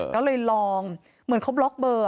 ก็เลยลองเหมือนเขาบล็อกเบอร์